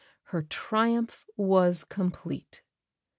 Her triumph was complete.